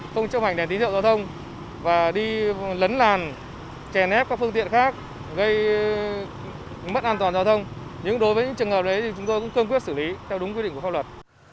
khi lấn làn chèn ép các phương tiện khác gây mất an toàn giao thông nhưng đối với những trường hợp đấy chúng tôi cũng cơm quyết xử lý theo đúng quyết định của pháp luật